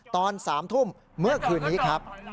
ตอน๓ทุ่มเมื่อคืนนี้ครับ